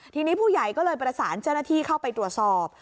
ทีนี้ผู้ใหญ่ก็เลยประสานเจ้าหน้าที่เข้าไปตรวจสอบ